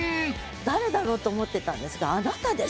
誰だろうと思ってたんですがあなたでしたか。